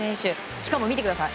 しかも見てください。